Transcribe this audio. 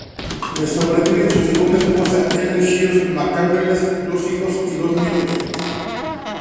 Le sobreviven su segunda esposa, Ellen Shields McCandless, dos hijos y dos nietos.